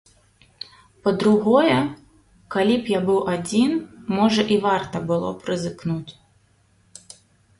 Па-другое, калі б я быў адзін, можа і варта было б рызыкнуць.